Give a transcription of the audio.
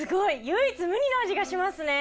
唯一無二の味がしますね！